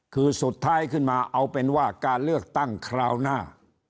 คือสุดท้ายขึ้นมาเอาเป็นว่าการเลือกตั้งคราวหน้า